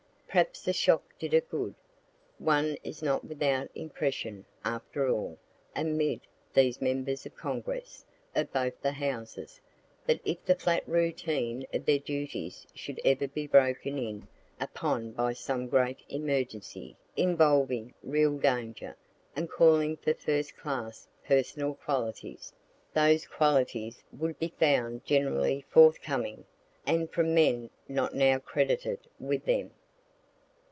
Perhaps the shock did it good. (One is not without impression, after all, amid these members of Congress, of both the Houses, that if the flat routine of their duties should ever be broken in upon by some great emergency involving real danger, and calling for first class personal qualities, those qualities would be found generally forthcoming, and from men not now credited with them.)